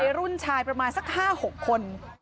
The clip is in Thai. รุ่นชายประมาณสัก๕๖คน